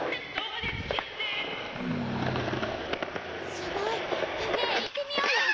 すごいねえ行ってみようよ！